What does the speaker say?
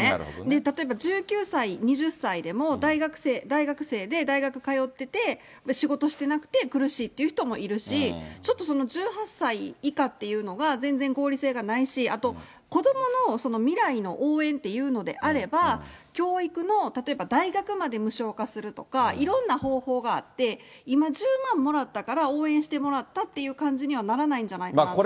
例えば、１９歳、２０歳でも、大学生で大学通ってて、仕事をしてなくて苦しいっていう人もいるし、ちょっとその１８歳以下っていうのが、全然合理性がないし、あと、子どもの未来の応援っていうのであれば、教育の例えば大学まで無償化するとか、いろんな方法があって、今１０万もらったから、応援してもらったっていう感じにはならないんじゃないかなと思う